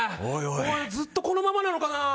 おい、ずっとこのままなのかな。